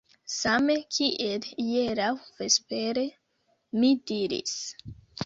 Same kiel hieraŭ vespere, mi diris.